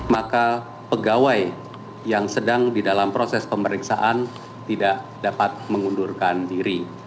maka pegawai yang sedang di dalam proses pemeriksaan tidak dapat mengundurkan diri